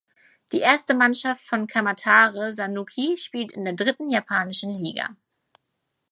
Die erste Mannschaft von Kamatamare Sanuki spielt in der dritten japanischen Liga.